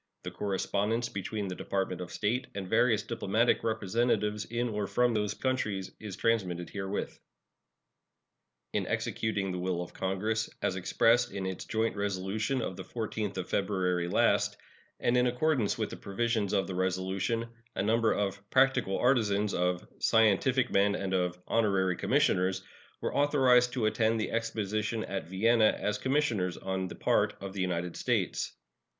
The correspondence between the Department of State and various diplomatic representatives in or from those countries is transmitted herewith. In executing the will of Congress, as expressed in its joint resolution of the 14th of February last, and in accordance with the provisions of the resolution, a number of "practical artisans," of "scientific men," and of "honorary commissioners" were authorized to attend the exposition at Vienna as commissioners on the part of the United States.